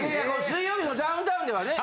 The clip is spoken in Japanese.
『水曜日のダウンタウン』ではね